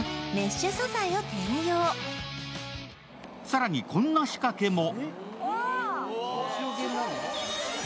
更にこんな仕掛けも。